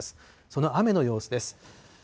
その雨の様子です。